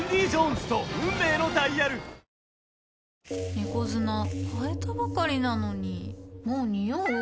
猫砂替えたばかりなのにもうニオう？